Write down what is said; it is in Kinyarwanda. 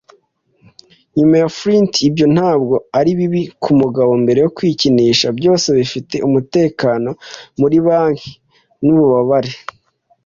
nyuma ya Flint. Ibyo ntabwo ari bibi kumugabo mbere yo kwikinisha - byose bifite umutekano muri banki. 'Ntubabare